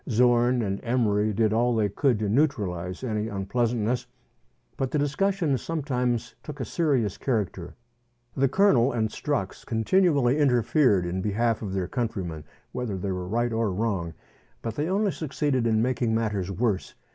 Zorn and Emery did all they could to neutralize any unpleasantness, but the discussions sometimes took a serious character. The Colonel and Strux continually interfered in behalf of their countrymen, whether they were right or wrong, but they only succeeded in making matters worse.